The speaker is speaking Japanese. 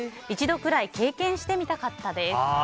一度くらい経験してみたかったです。